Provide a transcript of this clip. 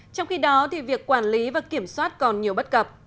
trong khi đó việc quản lý và kiểm soát còn nhiều bất cập